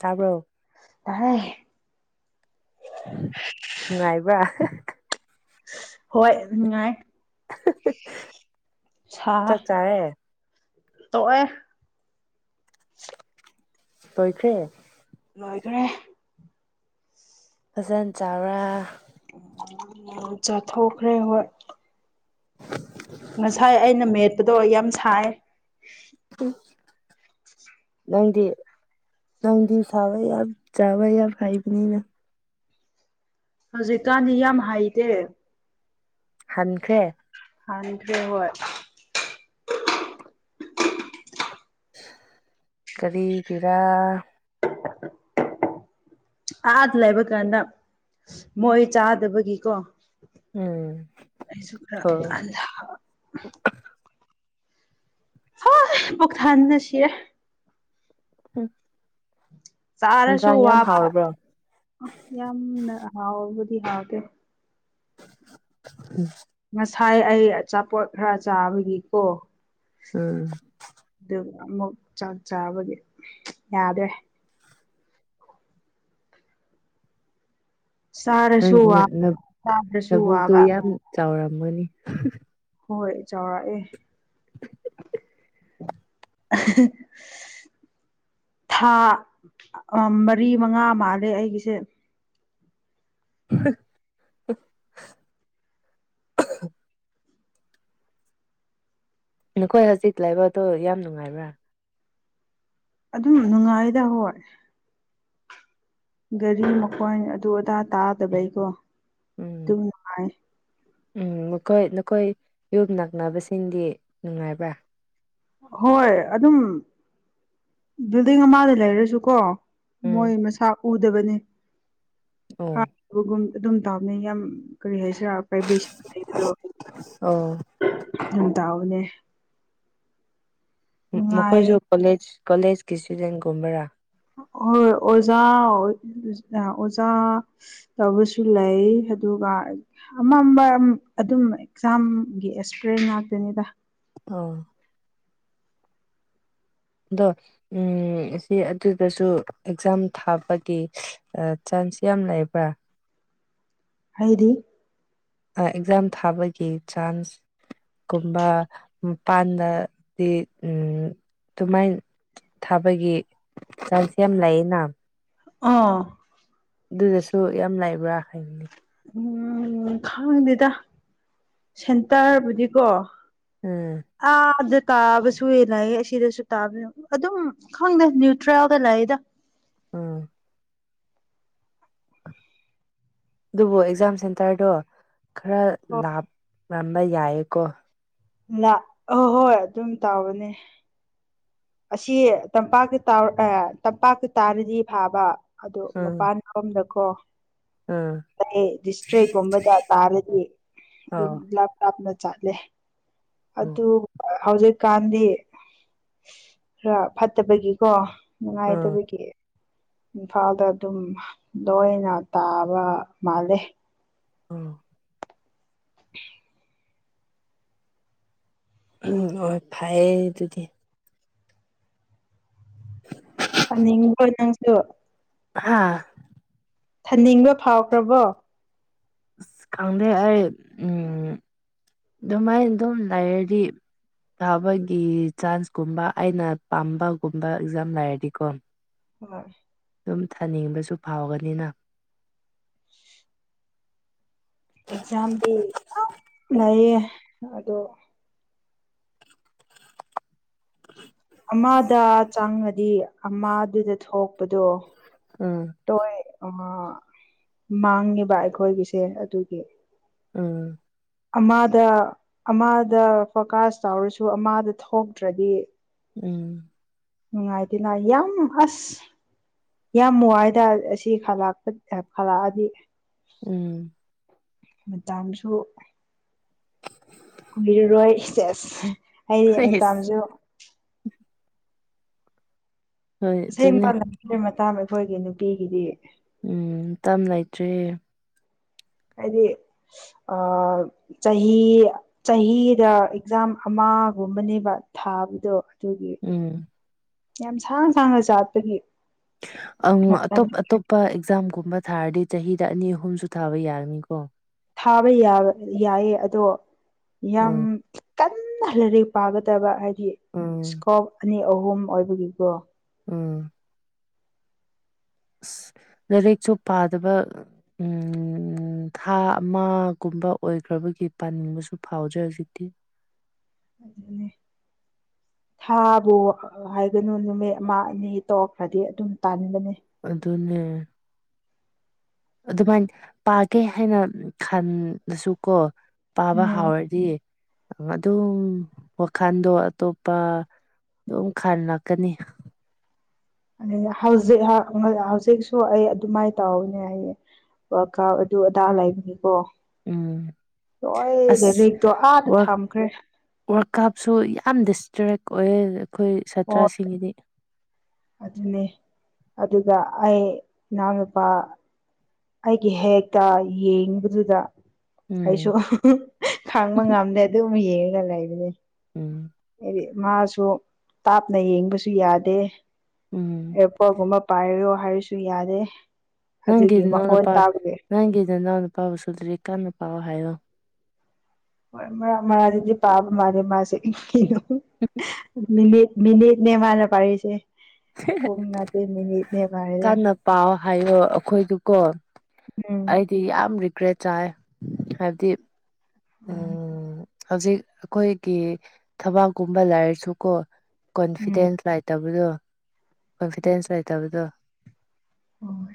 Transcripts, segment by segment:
ꯇꯥꯕ꯭ꯔꯣ ꯇꯥꯍꯦ ꯅꯨꯉꯥꯏꯕꯔꯥ ꯍꯣꯏ ꯅꯨꯉꯥꯏ ꯆꯥꯛ ꯁꯥ ꯆꯥꯔꯦ ꯇꯣꯑꯦ ꯂꯣꯏꯈ꯭ꯔꯦ ꯂꯣꯏꯈꯔꯦ ꯐꯖꯟ ꯆꯥꯕꯔꯥ ꯌꯥꯝ ꯆꯥꯊꯣꯛꯈ꯭ꯔꯦ ꯍꯣꯏ [unintelligible] ꯉꯁꯥꯏ ꯑꯩꯅ ꯃꯦꯠꯄꯗꯣ ꯌꯥꯝ ꯁꯥꯏ ꯎ ꯅꯪꯗꯤ ꯅꯪꯗꯤ ꯁꯥꯕ ꯌꯥꯝ ꯆꯥꯕ ꯌꯥꯝ ꯍꯩꯕꯅꯤꯅ ꯍꯧꯖꯤꯛꯀꯥꯟꯗꯤ ꯌꯥꯝ ꯍꯩꯇꯦ ꯍꯟꯈ꯭ꯔꯦ ꯍꯥꯟꯗ ꯍꯣꯏ ꯀꯔꯤꯒꯤꯔꯥ ꯑꯥꯗ ꯂꯩꯕ ꯀꯥꯟꯗ ꯃꯣꯏ ꯆꯥꯗꯕꯒꯤꯀꯣ ꯎꯝ ꯑꯩꯁꯨ ꯈꯔ ꯑꯣ [unintelligible] ꯍꯣꯏ ꯄꯨꯛ ꯊꯟꯕꯗ ꯁꯤꯔ‌ꯦ ꯎꯝ ꯆꯥꯔꯁꯨ ꯋꯥꯕ ꯌꯥꯝꯅ ꯍꯥꯎꯕꯕꯨꯗꯤ ꯍꯥꯎꯗꯦ ꯎꯝ ꯉꯁꯥꯏ ꯑꯩ ꯑꯆꯥꯄꯣꯠ ꯈꯔ ꯆꯥꯕꯒꯤꯀꯣ ꯎꯝ ꯑꯗꯨꯒ ꯑꯃꯨꯛ ꯆꯥꯛ ꯆꯥꯕꯒꯤ ꯌꯥꯗ꯭ꯔꯦ ꯅꯪ ꯆꯥꯔꯁꯨ ꯋꯥꯕ ꯅꯪ ꯆꯥꯗ꯭ꯔꯁꯨ ꯂꯕꯣꯛꯇꯣ ꯋꯥꯕ ꯌꯥꯝ ꯆꯥꯎꯔꯝꯃꯅꯤ ꯍꯣꯏ ꯆꯥꯎꯔꯥꯛꯑꯦ [inaudible] ꯊꯥ ꯃꯔꯤ ꯃꯉꯥ ꯃꯥꯜꯂꯦ ꯑꯩꯒꯤꯁꯦ ꯍꯥ ꯍꯥ [inaudible] ꯅꯈꯣꯏ ꯍꯧꯖꯤꯛ ꯂꯩꯕꯗꯣ ꯌꯥꯝ ꯅꯨꯡꯉꯥꯏꯕ꯭ꯔꯥ ꯑꯗꯨꯝ ꯅꯨꯡꯉꯥꯏꯗ ꯍꯣꯏ ꯒꯥꯔꯤ ꯃꯈꯣꯟ ꯑꯗꯨ ꯑꯗꯥ ꯇꯥꯗꯕꯩꯀꯣ ꯑꯗꯨ ꯎꯝ ꯅꯨꯡꯉꯥꯏ ꯎꯝ ꯅꯣꯏ ꯅꯈꯣꯏ ꯌꯨꯝ ꯅꯛꯅꯕꯁꯤꯡꯗꯤ ꯅꯨꯡꯉꯥꯏꯕ꯭ꯔꯥ ꯍꯣꯏ ꯑꯗꯨꯝ ꯕꯤꯜꯗꯤꯡ ꯑꯃꯗ ꯂꯩꯔꯁꯨꯀꯣ ꯎꯝ ꯃꯣꯏ ꯃꯁꯥ ꯎꯗꯕꯅꯤ ꯑꯣ ꯕꯒꯨꯝ ꯑꯗꯨꯝ ꯇꯧꯕꯅꯤ ꯌꯥꯝ ꯀꯔꯤ ꯍꯥꯏꯁꯤꯔꯥ ꯄꯥꯏꯕ‍‍ꯦꯁꯤ ꯂꯩꯕꯗꯣ ꯑꯣ ꯌꯥꯝ ꯇꯥꯎꯅꯦ ꯅꯨꯡꯉꯥꯏꯌꯦ ꯃꯈꯣꯏꯁꯨ ꯀꯣꯂꯦꯖ ꯀꯣꯂꯦꯖꯀꯤ ꯏꯁꯇꯨꯗꯦꯟꯒꯨꯝꯕꯔꯥ ꯍ‍ꯣꯏ ꯑꯣꯖꯥ [unintelligible] ꯑꯣꯖꯥ ꯇꯧꯕꯁꯨ ꯂꯩ ꯑꯗꯨꯒ ꯑꯃꯝꯕ ꯑꯗꯨꯝ ꯑꯦꯛꯖꯥꯝꯒꯤ ꯑꯦꯛꯁꯄꯔꯤꯟ ꯉꯥꯛꯇꯅꯤꯗ ꯑ [unintelligible] ꯑꯗꯣ ꯎꯝ ꯁꯤ ꯑꯗꯨꯗꯁꯨ ꯑꯦꯛꯖꯥꯝ ꯊꯥꯕꯒꯤ ꯑ ꯆꯥꯟꯁ ꯌꯥꯝ ꯂꯩꯕ꯭ꯔꯥ ꯍꯥꯏꯗꯤ ꯑꯦꯛꯖꯥꯝ ꯊꯥꯕꯒꯤ ꯆꯥꯟꯁ ꯨꯀꯨꯝꯕ ꯃꯄꯥꯟꯗꯗꯤ ꯎ ꯑꯗꯨꯃꯥꯏ ꯊꯥꯕꯒꯤ ꯆꯥꯟꯁ ꯌꯥꯝ ꯂꯩꯥꯅ ꯑꯥ ꯑꯗꯨꯗꯁꯨ ꯌꯥꯝ ꯂꯩꯕ꯭ꯔꯥ ꯍꯥꯏꯕꯅꯤ ꯎꯝ ꯈꯥꯡꯗꯦꯗ ꯁꯦꯟꯇꯔꯕꯨꯗꯤꯀꯣ ꯎꯝ ꯑꯥꯗ ꯇꯥꯕꯁꯨ [unintelligible] ꯁꯤꯗꯁꯨ ꯇꯥꯕ ꯌ‌‌ꯦꯡꯎ ꯑꯗꯨꯝ ꯈꯪꯗꯦ ꯅ꯭ꯌꯨꯇ꯭ꯔꯦꯜꯒ ꯂꯥꯏ꯭ꯗ ꯑꯥ ꯑꯗꯨꯕꯨ ꯑꯦꯛꯖꯥꯝ ꯁꯦꯟꯇꯔꯗꯣ ꯈꯔ ꯂꯥꯞꯂꯝꯕ ꯌꯥꯏꯌꯦꯀꯣ ꯂ ꯑ ꯍꯣꯏ ꯑꯗꯨꯝ ꯇꯥꯎꯕꯅꯦ ꯑꯁꯤ ꯇꯝꯄꯥꯛꯀꯤ ꯇ ꯇꯝꯄꯥꯛꯀꯤ ꯇꯥꯔꯗꯤ ꯐꯥꯕ ꯑꯗꯨ ꯎꯝ ꯃꯄꯥꯟ ꯁꯣꯝꯗꯀꯣ ꯎꯝ ꯑꯩ ꯗꯤꯁꯇ꯭ꯔꯤꯛ ꯀꯨꯝꯕꯗ ꯇꯔꯗꯤ ꯌꯨꯝ ꯑꯣ ꯂꯥꯞ ꯂꯥꯞꯅ ꯆꯥꯠꯂꯦ ꯎꯝ ꯑꯗꯨ ꯍꯧꯖꯤꯛꯀꯥꯟꯗꯤ ꯈꯔ ꯐꯠꯇꯕꯒꯤꯀꯣ ꯎꯝ ꯅꯨꯡꯉꯥꯏꯇꯕꯒꯤ ꯏꯝꯐꯥꯜꯗ ꯑꯗꯨꯝ ꯂꯣꯏꯅ ꯇꯥꯕ ꯃꯥꯜꯂꯦ ꯎꯝ [inaudible] ꯎꯝ ꯍꯣꯏ ꯐꯩ ꯑꯗꯨꯗꯤ ꯊꯝꯅꯤꯡꯉꯤꯕꯣ ꯅꯪ ꯑꯗꯨ ꯍꯥꯥ ꯊꯝꯅꯤꯡꯕ ꯐꯥꯎꯈ꯭ꯔꯕꯣ ꯑꯁ ꯈꯪꯗꯦ ꯑꯩ ꯎꯝ ꯑꯗꯨꯃꯥꯏꯅ ꯑꯗꯨꯝ ꯂꯩꯔꯗꯤ ꯊꯥꯕꯒꯤ ꯆꯥꯟꯁꯀꯨꯝꯕ ꯑꯩꯅ ꯄꯥꯝꯕꯒꯨꯝꯕ ꯑꯦꯛꯖꯥꯝ ꯂꯩꯔꯗꯤꯀꯣ ꯍꯥꯏ ꯑꯗꯨꯝ ꯊꯥꯅꯤꯡꯕꯁꯨ ꯐꯥꯎꯒꯅꯤꯅ ꯑꯦꯛꯖꯥꯝꯗꯤ ꯂꯩꯌꯦ ꯑꯗꯣ ꯑꯃꯗ ꯆꯪꯉꯗꯤ ꯑꯃꯗꯨꯗ ꯊꯣꯛꯄꯗꯣ ꯎꯝ ꯇꯣꯏ ꯑꯃ ꯃꯥꯡꯉꯤꯕ ꯑꯩꯈꯣꯏꯒꯤꯁꯦ ꯑꯗꯨꯒꯤ ꯎꯝ ꯑꯃꯗ ꯑꯃꯗ ꯐꯣꯀꯥꯁ ꯇꯧꯔꯁꯨ ꯑꯃꯗ ꯊꯣꯛꯇ꯭ꯔꯗꯤ ꯎꯝ ꯅꯨꯡꯉꯥꯏꯗꯦꯅ ꯌꯥꯝ ꯑꯁ ꯌꯥꯝ ꯆꯥꯏꯗ ꯑꯁꯤ ꯈꯂꯛ ꯈꯂꯛꯑꯗꯤ ꯎꯝ ꯃꯇꯥꯡꯁꯨ ꯀꯨꯏꯔꯔꯣꯏ ꯏꯁꯦꯁ ꯑꯩ ꯍꯩꯁ ꯃꯇꯥꯝꯁꯨ ꯍꯣꯏ ꯑꯗꯨꯅꯦ ꯑꯁꯦꯡꯕ ꯂꯝꯁꯤ ꯃꯇꯥꯡ ꯑꯩꯈꯣꯏꯒꯤ ꯅꯨꯄꯤꯒꯤꯗꯤ ꯎꯝ ꯃꯇꯝ ꯂꯩꯇ꯭ꯔꯦ ꯑꯩꯗꯤ ꯑ ꯆꯍꯤ ꯆꯍꯤꯗ ꯑꯦꯛꯖꯥꯝ ꯑꯃꯒꯨꯝꯕꯅꯦꯕ ꯊꯥꯕꯗꯣ ꯑꯗꯨꯒꯤ ꯎꯝ ꯌꯥꯝ ꯁꯥꯡ ꯁꯥꯡꯅ ꯆꯥꯠꯄꯒꯤ ꯑꯪ ꯑꯇꯣꯞ ꯑꯇꯣꯞꯄ ꯑꯦꯛꯖꯥꯝꯒꯨꯝꯕ ꯊꯥꯔꯗꯤ ꯆꯍꯤꯗ ꯑꯅꯤ ꯑꯍꯨꯝꯁꯨ ꯊꯥꯕ ꯌꯥꯔꯅꯤꯀꯣ ꯊꯥꯕ ꯌꯥꯕ ꯌꯥꯏꯌꯦ ꯑꯗꯣ ꯌꯥꯝ ꯎꯝ ꯀꯟꯅ ꯂꯥꯏꯔꯤꯛ ꯄꯥꯒꯗꯕ ꯍꯥꯏꯗꯤ ꯎꯝ ꯏꯁꯀꯣꯞ ꯑꯅꯤ ꯑꯍꯨꯝ ꯑꯣꯏꯕꯒꯤꯀꯣ ꯎꯝ ꯑꯁ ꯂꯥꯏꯔꯤꯛꯁꯨ ꯄꯥꯗꯕ ꯎꯝ ꯊꯥ ꯑꯃꯒꯨꯝꯕ ꯑꯣꯏꯈ꯭ꯔꯕꯒꯤ ꯄꯥꯅꯤꯡꯕꯁꯨ ꯐꯥꯎꯗ꯭ꯔꯦ ꯍꯧꯖꯤꯛꯇꯤ ꯑꯗꯨꯅꯦ ꯊꯥꯕꯨ ꯍꯥꯏꯒꯅꯨ ꯅꯨꯃꯤꯠ ꯑꯃ ꯑꯅꯤ ꯇꯣꯛꯈ꯭ꯔꯗꯤ ꯑꯗꯨꯝ ꯇꯥꯟꯒꯅꯤ ꯑꯗꯨꯅꯦ ꯑꯗꯨꯃꯥꯏꯅ ꯄꯥꯒꯦ ꯍꯥꯏꯅ ꯈꯜꯂꯁꯨ ꯀꯣ ꯄꯥꯕ ꯎꯝ ꯍꯥꯎꯔꯗꯤ ꯑꯗꯨꯝ ꯋꯥꯈꯜꯗꯣ ꯑꯇꯣꯞꯄ ꯑꯗꯨꯝ ꯈꯥꯂꯛꯀꯅꯤ ꯑꯗꯨ ꯍꯧꯖꯤꯛ ꯍꯧꯖꯤꯛꯁꯨ ꯑꯩ ꯑꯗꯨꯃꯥꯏꯅ ꯇꯧꯅꯦ ꯍꯥꯏꯌꯦ ꯋꯥꯀꯥ ꯑꯗꯨ ꯑꯗꯥ ꯂꯩꯕꯅꯦꯀꯣ ꯎꯝ ꯍꯣꯏ ꯂꯥꯏꯔꯤꯛꯇꯣ ꯑꯥꯗ ꯊꯝꯈ꯭ꯔꯦ ꯋꯥꯔꯀꯥꯞꯁꯨ ꯌꯥꯝ ꯗꯤꯁꯇ꯭ꯔꯦꯛ ꯑꯣꯏꯌꯦ ꯑꯩꯈꯣꯏ ꯁꯥꯇ꯭ꯔꯁꯤꯡꯒꯤꯗꯤ ꯑꯗꯨꯅꯤ ꯑꯗꯨꯒ ꯑꯩ ꯏꯅꯥꯎꯅꯄꯥ ꯑꯩꯒꯤ ꯍꯦꯛꯇ ꯌꯦꯡꯕꯗꯨꯗ ꯎꯝ ꯑꯩꯁꯨ ꯈꯥꯡꯕ ꯉꯝꯗꯦ ꯑꯗꯨꯝ ꯌꯦꯡꯉꯒ ꯂꯩꯕꯅꯦ ꯎꯝ ꯍꯥꯏꯗꯤ ꯃꯥꯁꯨ ꯇꯥꯞꯅ ꯌꯦꯡꯕꯁꯨ ꯌꯥꯗꯦ ꯎꯝ ꯑꯦꯌꯥꯔꯄꯣꯔꯠꯀꯨꯝꯕ ꯄꯥꯏꯔꯣ ꯍꯥꯏꯔꯁꯨ ꯌꯥꯗꯦ ꯅꯪꯒꯤ ꯑꯗꯨꯒꯤ ꯅꯅꯥꯎ ꯃꯈꯣꯟ ꯅꯨꯄꯥ ꯇꯥꯕꯒꯤ ꯅꯪꯒꯤ ꯅꯅꯥꯎꯅ ꯅꯨꯄꯥꯕꯨꯁꯨ ꯂꯥꯏꯔꯤꯛ ꯀꯟꯅ ꯄꯥꯎ ꯍꯥꯏꯌꯣ ꯍꯣꯏ ꯃꯔꯛ ꯃꯔꯛꯇꯗꯤ ꯄꯥꯕ ꯃꯥꯜꯂꯦ ꯃꯥꯁꯦ ꯃꯤꯅꯤꯠ ꯀꯣ ꯃꯅꯤꯠꯅꯦ ꯃꯥꯅ ꯄꯥꯔꯤꯁꯦ ꯍ [unintelligible] ꯄꯨꯡ ꯅꯥꯇꯦ ꯃꯤꯅꯤꯠ ꯀꯅ ꯄꯥꯎ ꯍꯥꯏꯌꯣ ꯑꯩꯈꯣꯏꯗꯨꯀꯣ ꯎꯝ ꯑꯩꯗꯤ ꯌꯥꯝ ꯔꯤꯒ꯭ꯔꯦꯠ ꯆꯥꯏꯌꯦ ꯍꯥꯏꯕꯗꯤ ꯎꯝ ꯍꯧꯖꯤꯛ ꯑꯩꯈꯣꯏꯒꯤ ꯊꯕꯥꯛꯀꯨꯝꯕ ꯂꯥꯏꯔꯁꯨꯀꯣ ꯀꯣꯟꯐꯤꯗꯦꯟꯁ ꯂꯩꯇꯕꯗꯣ ꯀꯣꯟꯐꯤꯗꯦꯟꯁ ꯂꯩꯇꯕꯗꯣ ꯑꯣ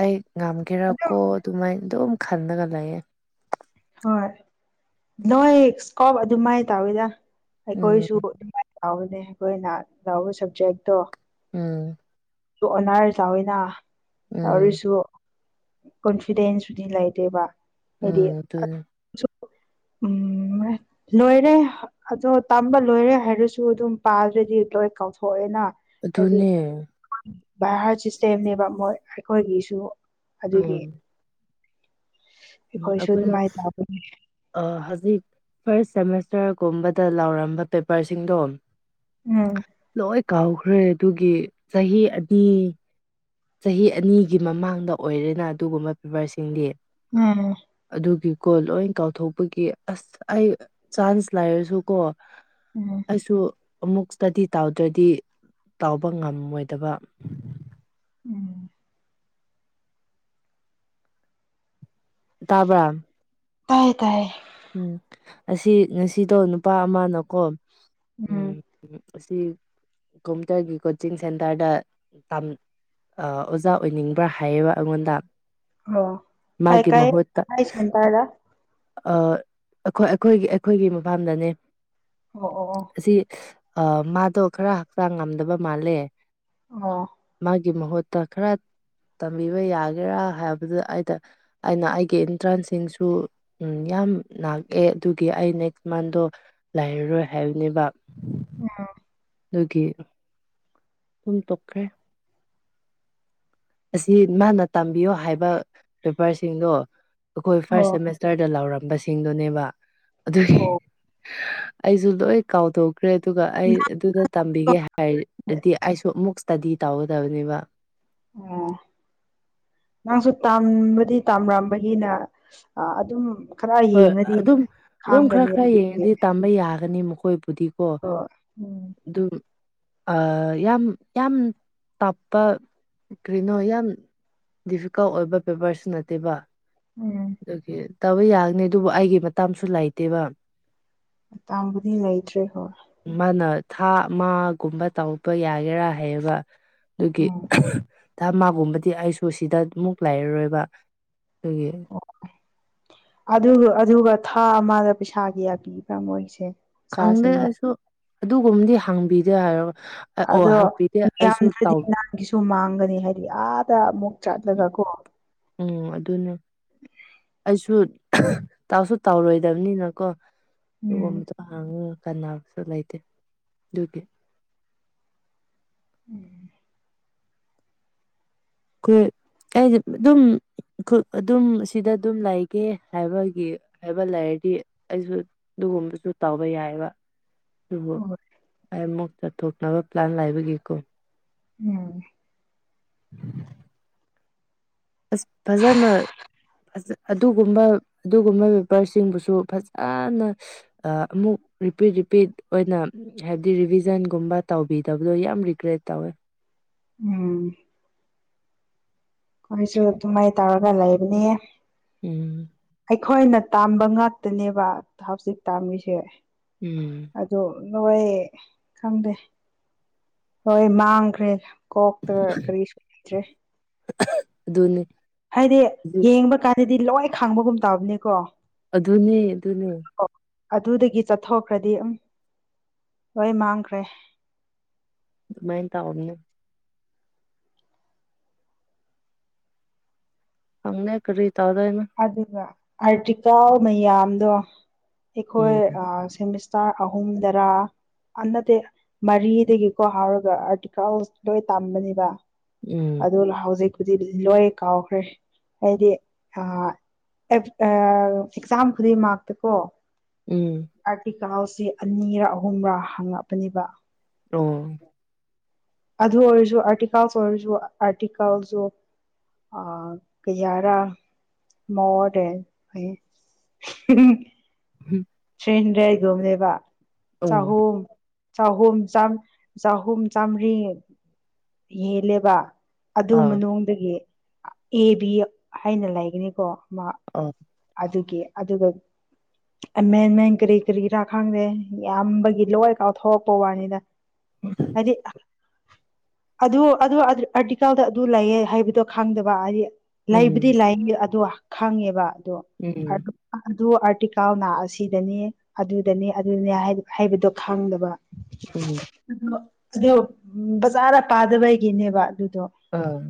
ꯑꯩ ꯉꯝꯒꯦꯔꯀꯣ ꯑꯗꯨꯃꯥꯏꯅ ꯑꯗꯨꯝ ꯈꯜꯂꯒ ꯂꯩꯌꯦ ꯍꯣꯏ ꯅꯣꯏ ꯁ꯭ꯀꯣꯞ ꯑꯗꯨꯃꯥꯏꯅ ꯇꯧꯋꯤꯗ ꯎꯝ ꯑꯩꯈꯣꯏꯁꯨ ꯑꯗꯨꯃꯥꯏ ꯇꯧꯕꯅꯦ ꯑꯩꯈꯣꯏꯅ ꯂꯧꯕꯥ ꯁꯕꯖꯦꯛꯇꯣ ꯎꯝ ꯑꯗꯨ ꯑꯣꯟꯅꯔ ꯆꯥꯎꯏꯅ ꯎꯝ ꯇꯧꯔꯁꯨ ꯀꯣꯟꯐꯤꯗꯦꯟ꯭ꯁꯁꯨꯗꯤ ꯂꯩꯇꯦꯕ ꯍꯥꯏꯗꯤ ꯎꯝ ꯎꯝ ꯂꯣꯏꯔꯦ ꯑꯗꯣ ꯇꯝꯕ ꯂꯣꯏꯔꯦ ꯍꯥꯏꯔꯁꯨ ꯑꯗꯨꯝ ꯄꯥꯗ꯭ꯔꯗꯤ ꯂꯣꯏ ꯀꯥꯎꯊꯣꯛꯑꯦꯅ ꯑꯗꯨꯅꯦ ꯚꯏ ꯍꯥꯔ꯭ꯗ ꯁꯤꯁꯇꯦꯝꯅꯦꯕ ꯃꯣꯏ ꯑꯩꯈꯣꯏꯒꯤꯁꯨ ꯑꯗꯨꯒꯤ ꯎꯝ ꯎꯝ ꯑꯩꯈꯣꯏꯁꯨ ꯑꯩꯈꯣꯏꯅꯥ ꯑꯗꯨꯃꯥꯏꯅ ꯇꯧꯕꯅꯤ ꯍꯧꯖꯤꯛ ꯐꯥꯔ꯭ꯁ ꯁꯦꯃꯤꯁꯇꯔꯒꯨꯝꯕꯗ ꯂꯧꯔꯝꯕ ꯄꯦꯄꯔꯁꯤꯡꯗꯣ ꯎꯝ ꯂꯣꯏ ꯀꯥꯎꯈ꯭ꯔꯦ ꯑꯗꯨꯒꯤ ꯆꯍꯤ ꯑꯅꯤ ꯆꯍꯤ ꯑꯅꯤꯒꯤ ꯃꯃꯥꯡꯗ ꯑꯣꯏꯔꯦꯅ ꯑꯗꯨꯒꯨꯝꯕ ꯄꯦꯄꯔꯁꯤꯡꯗꯤ ꯎꯝ ꯑꯗꯨꯒꯤꯀꯣ ꯂꯣꯏ ꯀꯥꯎꯊꯣꯛꯄꯒꯤ ꯑꯁ ꯑꯩ ꯆꯥꯟ꯭ꯁ ꯂꯩꯔꯁꯨꯀꯣ ꯎꯝ ꯑꯩꯁꯨ ꯑꯃꯨꯛ ꯏꯁꯇꯗꯤ ꯇꯧꯗ꯭ꯔꯗꯤ ꯇꯧꯕꯥ ꯉꯝꯃꯣꯏꯗꯕ ꯎꯝ ꯇꯥꯕ꯭ꯔ꯫ ꯇꯥꯏꯌꯦ ꯇꯥꯏꯌꯦ꯫ ꯎꯝ ꯑꯁꯤ ꯉꯁꯤꯗꯣ ꯅꯨꯄꯥ ꯑꯃꯅꯀꯣ ꯎꯝ ꯎ ꯑꯁꯤ ꯀꯝꯄ꯭ꯌꯨꯇꯔꯒꯤ ꯀꯣꯆꯤꯡ ꯁꯦꯟꯇꯔꯗ ꯇꯝ ꯑ ꯑꯣꯖꯥ ꯑꯣꯏꯅꯤꯡꯕ꯭ꯔꯥ ꯍꯥꯏꯌꯦꯕ ꯑꯩꯉꯣꯟꯗ ꯃꯥꯒꯤ ꯃꯍꯨꯠꯇ꯫ ꯀꯥꯏꯗ꯫ ꯑ ꯑꯩꯈꯣꯏ ꯑꯩꯈꯣꯏꯒꯤ ꯑꯩꯈꯣꯏꯒꯤ ꯃꯐꯝꯗꯅꯦ꯫ ꯑꯣ ꯑꯣ ꯑꯣ꯫ ꯑꯁꯤ ꯑ ꯃꯥꯗꯣ ꯈꯔ ꯍꯛꯆꯥꯡ ꯉꯝꯗꯕ ꯃꯥꯜꯂꯦ꯫ ꯑꯣ꯫ ꯃꯥꯒꯤ ꯃꯍꯨꯠꯇ ꯈꯔ ꯇꯝꯕꯤꯕ ꯌꯥꯒꯦꯔꯥ ꯍꯥꯏꯕꯗ ꯑꯩꯗ ꯑꯩꯅ ꯑꯩꯒꯤ ꯑꯤꯟꯇ꯭ꯔꯟꯁꯤꯡꯁꯨ ꯎꯝ ꯌꯥꯝ ꯉꯥꯛꯑꯦ ꯑꯗꯨꯒꯤ ꯑꯩ ꯅꯦꯛꯁ ꯃꯟꯗꯣ ꯂꯩꯔꯔꯣꯏ ꯍꯥꯏꯕꯅꯦꯕ꯫ ꯑꯣ꯫ ꯑꯗꯨꯒꯤ ꯑꯗꯨꯨꯝ ꯇꯣꯛꯈ꯭ꯔꯦ꯫ ꯑꯁꯤ ꯃꯥꯅ ꯇꯝꯕꯤꯌꯣ ꯍꯥꯏꯕ ꯄꯦꯄꯔꯁꯤꯡꯗꯣ ꯑꯩꯈꯣꯏ ꯐꯥꯔꯁ ꯑꯣ ꯁꯦꯃꯦꯁ ꯇꯔꯗ ꯂꯥꯎꯔꯝꯕꯁꯤꯡꯗꯨꯅꯦꯕ ꯑꯗꯨꯒꯤ ꯑꯣ ꯑꯩꯁꯨ ꯂꯣꯏ ꯀꯥꯎꯊꯣꯛ ꯈ꯭ꯔꯦ ꯑꯗꯨꯒ ꯑꯩ ꯑꯗꯨꯗ ꯇꯝꯕꯤꯒꯦ ꯍꯥꯏꯔꯗꯤ ꯑꯩꯁꯨ ꯑꯃꯨꯛ ꯏꯁꯇꯗꯤ ꯇꯧꯒꯗꯕꯅꯦꯕ꯫ ꯑꯣ꯫ ꯅꯪꯁꯨ ꯇꯝꯕꯗꯤ ꯇꯝꯔꯝꯕꯒꯤꯅ ꯑ ꯑꯗꯨꯝ ꯈꯔ ꯍꯣꯏ ꯌꯦꯡꯉꯗꯤ ꯑꯗꯨꯝ ꯑꯗꯨꯝ ꯈꯔ ꯈꯥꯡꯒꯅꯤ ꯈꯔ ꯑꯗꯨꯗꯤ ꯌꯦꯡꯉꯗꯤ ꯇꯝꯕ ꯌꯥꯒꯅꯤ ꯃꯈꯣꯏꯕꯨꯗꯤ ꯀꯣ ꯍꯣꯏ ꯎꯝ ꯑꯗꯨꯝ ꯑ ꯌꯥꯝ ꯌꯥꯝ ꯇꯞꯄ ꯀꯔꯤꯅꯣ ꯌꯥꯝ ꯗꯤꯐꯤꯀꯜꯠ ꯑꯣꯏꯕ ꯄꯦꯄꯔꯁꯨ ꯅꯠꯇꯦꯕ꯫ ꯎꯝ꯫ ꯑꯗꯨꯒꯤ ꯇꯧꯕ ꯌꯥꯒꯅꯤ ꯑꯗꯨꯕꯨ ꯑꯩꯒꯤ ꯃꯇꯝꯁꯨ ꯂꯩꯇꯦꯕ꯫ ꯃꯇꯝꯕꯨꯗꯤ ꯂꯩꯇ꯭ꯔꯦ ꯍꯣꯏ꯫ ꯃꯥꯅ ꯊꯥ ꯑꯃꯒꯨꯝꯕ ꯇꯧꯕ ꯌꯥꯒꯦꯔꯥ ꯍꯥꯏꯌꯦꯕ꯫ ꯑꯗꯨꯒꯤ ꯎꯝ ꯊꯥ ꯑꯃꯥ ꯒꯨꯝꯕꯗꯤ ꯑꯩꯁꯨ ꯁꯤꯗ ꯑꯃꯨꯛ ꯂꯩꯔꯔꯣꯏꯕ ꯑꯩꯗꯨꯒꯤ꯫ ꯑꯣ ꯑꯗꯨꯒ ꯑꯗꯨꯒ ꯊꯥ ꯑꯃꯗ ꯄꯩꯁꯥ ꯀꯌꯥ ꯄꯤꯕ꯭ꯔꯥ ꯃꯣꯏꯁꯦ꯫ ꯈꯪꯗꯦ ꯑꯣꯖꯥꯁꯤꯡꯗ ꯑꯩꯁꯨ꯫ ꯑꯗꯨꯒꯨꯝꯕꯗꯤ ꯍꯥꯡꯕꯤꯗꯦ ꯍꯥꯏꯔꯣ ꯑꯣ ꯍꯥꯡꯕꯤꯗꯦ ꯑꯩꯁꯨ ꯇꯥꯎ ꯒꯤꯁꯨ ꯃꯥꯡꯒꯅꯤ ꯍꯥꯏꯗꯤ ꯑꯥꯗ ꯑꯃꯨꯛ ꯆꯠꯂꯒ ꯀꯣ꯫ ꯎꯝ ꯑꯗꯨꯅꯦ꯫ ꯑꯩꯁꯨ ꯇꯥꯎꯁꯨ ꯇꯥꯎꯔꯣꯏꯗꯕꯅꯤꯅꯀꯣ꯫ ꯎꯝ ꯑꯗꯨꯒꯨꯝꯕꯗꯣ ꯍꯥꯡꯉꯒ ꯀꯥꯟꯅꯕꯁꯨ ꯂꯩꯇꯦ ꯑꯗꯨꯒꯤ꯫ ꯎꯝ꯫ ꯈꯣꯏ ꯑꯩꯗꯤ ꯑꯗꯨꯝ ꯈꯨ ꯑꯗꯨꯝ ꯁꯤꯗ ꯑꯗꯨꯝ ꯂꯩꯒꯦ ꯍꯥꯏꯕꯒꯤ ꯍꯥꯏꯕ ꯂꯩꯔꯗꯤ ꯑꯩꯁꯨ ꯑꯗꯨꯒꯨꯝꯕꯁꯨ ꯇꯧꯕ ꯌꯥꯏꯕ꯫ ꯑꯗꯨꯕꯨ ꯍꯣꯏ ꯑꯩ ꯑꯃꯨꯛ ꯆꯠꯊꯣꯛꯅꯕ ꯄ꯭ꯂꯥꯟ ꯂꯩꯕꯒꯤꯀꯣ꯫ ꯎꯝ꯫ ꯑꯁ ꯐꯖꯅ ꯐꯖ ꯑꯗꯨꯒꯨꯝꯕ ꯑꯗꯨꯒꯨꯝꯕ ꯄꯦꯄꯔꯁꯤꯡꯕꯨꯁꯨ ꯐꯖꯅ ꯑꯃꯨꯛ ꯔꯤꯄꯤꯠ ꯔꯤꯄꯤꯠ ꯑꯣꯏꯅ꯫ ꯍꯥꯏꯕꯗꯤ ꯔꯤꯚꯤꯖꯟꯒꯨꯝꯕ ꯇꯧꯕꯤꯗꯕꯗꯣ ꯌꯥꯝ ꯔꯤꯒ꯭ꯔꯦꯠ ꯇꯧꯋꯦ꯫ ꯎꯝ꯫ ꯑꯩꯈꯣꯏꯁꯨ ꯑꯗꯨꯃꯥꯏꯅ ꯇꯧꯔꯒ ꯂꯩꯕꯅꯦ ꯎꯝ ꯑꯩꯈꯣꯏꯅ ꯇꯥꯝꯕ ꯉꯥꯛꯇꯅꯦꯕ ꯍꯧꯖꯤꯛ ꯇꯥꯝꯃꯤꯁꯦ꯫ ꯎꯝ꯫ ꯑꯗꯨ ꯅꯣꯏ ꯈꯪꯗꯦ ꯂꯣꯏ ꯃꯥꯡꯈ꯭ꯔꯦꯗ꯫ ꯀꯣꯛ ꯇ ꯀꯔꯤꯁꯨ ꯂꯩꯇ꯭ꯔꯦ꯫ ꯑꯗꯨꯅꯤ꯫ ꯍꯥꯏꯗꯤ ꯑꯗꯨ ꯌꯦꯡꯕ ꯀꯥꯟꯗꯗꯤ ꯂꯣꯏ ꯈꯥꯡꯕꯒꯨꯝ ꯇꯧꯕꯅꯦꯀꯣ꯫ ꯑꯗꯨꯅꯦ ꯑꯗꯨꯅꯦ꯫ ꯑꯗꯨꯗꯒꯤ ꯆꯠꯊꯣꯛꯈ꯭ꯔꯗꯤ ꯎꯝ ꯍꯣꯏ ꯃꯥꯡꯈ꯭ꯔꯦ꯫ ꯑꯗꯨꯃꯥꯏ ꯇꯧꯕꯅꯤ꯫ ꯈꯪꯗꯦ ꯀꯔꯤ ꯇꯥꯎꯗꯣꯏꯅꯣ꯫ ꯑꯗꯨꯒ ꯑꯥꯔꯇꯤꯀꯜ ꯃꯌꯥꯝꯗꯣ ꯑꯩꯈꯣꯏ ꯎꯝ ꯁꯦꯃꯤꯁ ꯇꯔ ꯑꯍꯨꯝꯗꯔꯥ꯫ ꯑ ꯅꯠꯇꯦ ꯃꯔꯤꯗꯒꯤꯀꯣ ꯍꯥꯎꯔꯒ ꯑꯥꯔꯇꯤꯀꯜ ꯂꯣꯏ ꯇꯝꯕꯅꯦꯕ꯫ ꯎꯝ꯫ ꯑꯗꯨꯅ ꯍꯧꯖꯤꯛꯄꯨꯗꯤ ꯂꯣꯏ ꯀꯥꯎꯈ꯭ꯔꯦ꯫ ꯍꯥꯏꯗꯤ ꯊꯥ ꯑꯦꯛꯖꯥꯝ ꯈꯨꯗꯤꯡꯃꯛꯇ ꯀꯣ꯫ ꯎꯝ꯫ ꯑꯥꯔꯇꯤꯀꯜꯁꯤ ꯑꯅꯤꯔꯥ ꯑꯍꯨꯝꯔ ꯍꯪꯉꯛꯄꯅꯦꯕ꯫ [unintelligible] ꯑꯗꯨ ꯑꯣꯏꯔꯁꯨ ꯑꯥꯔꯇꯤꯀꯜꯁ ꯑꯣꯏꯔꯖꯨ ꯑꯥꯔꯇꯤꯀꯜꯖꯨ ꯑ ꯀꯌꯥꯔꯥ ꯃꯣꯔ ꯗꯦꯟ [unintelligible] ꯊ꯭ꯔꯤꯍꯟꯗꯔꯦꯠ ꯒꯣꯝꯕꯅꯦꯕ ꯎꯝ ꯆꯍꯨꯝ꯫ ꯆꯍꯨꯝ ꯆꯍꯨꯝ ꯆꯥꯝꯃꯔꯤ ꯍꯦꯜꯂꯦꯕ꯫ ꯑꯗꯨ ꯑꯥ ꯃꯅꯨꯡꯗꯒꯤꯗꯒꯤ ꯑꯦ ꯕꯤ ꯍꯥꯏꯅ ꯂꯩꯒꯅꯤꯀꯣ ꯑꯃ [unintelligible] ꯑꯗꯨꯒꯤ ꯑꯗꯨꯒ ꯑꯦꯃꯦꯟꯃꯦꯟ ꯀꯔꯤ ꯀꯔꯤꯔꯥ ꯈꯪꯗꯦ ꯌꯥꯝꯕꯒꯤ ꯂꯣꯏ ꯀꯥꯎꯊꯣꯛꯄ ꯋꯥꯅꯤꯗ꯫ ꯍꯥꯏꯗꯤ, ꯑꯗꯨ ꯑꯗꯨ ꯑꯥꯔꯇꯤꯀꯜꯗ ꯑꯗꯨ ꯂꯩꯌꯦ ꯍꯥꯏꯕꯗꯣ ꯈꯪꯗꯕ ꯍꯥꯏꯗꯤ, ꯎꯝ ꯂꯩꯕꯨꯗꯤ ꯂꯩ ꯑꯗꯣ ꯈꯪꯉꯦꯕ ꯑꯗꯣ. ꯎꯝ ꯑꯗꯨ ꯑꯥꯔꯇꯤꯀꯜꯅ ꯑꯁꯤꯗꯅꯤ ꯑꯗꯨꯗꯅꯤ ꯑꯗꯨꯅꯤ ꯍꯥꯏꯕꯗꯣ ꯈꯪꯗꯕ꯫ ꯑ ꯎꯝ ꯑꯗꯨ ꯕꯖꯥꯔꯗ ꯄꯥꯗꯕꯩꯒꯤꯅꯦꯕ ꯑꯗꯨꯗꯣ꯫ [unintelligible]